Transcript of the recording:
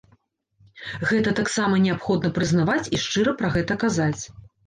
Гэта таксама неабходна прызнаваць і шчыра пра гэта казаць.